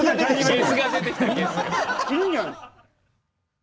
ゲスが出てきた、ゲス。